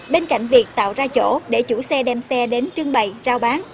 bên cạnh việc tạo ra chỗ để chủ xe đem xe đến trưng bày trao bán